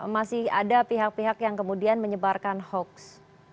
masih ada pihak pihak yang kemudian menyebarkan hoax